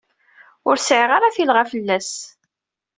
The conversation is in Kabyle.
Ur sɛiɣ ara tilɣa fell-as.